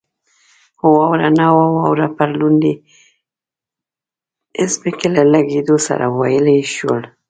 خو واوره نه وه، واوره پر لوندې ځمکې له لګېدو سره ویلې شول.